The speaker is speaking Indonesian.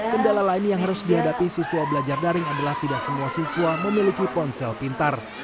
kendala lain yang harus dihadapi siswa belajar daring adalah tidak semua siswa memiliki ponsel pintar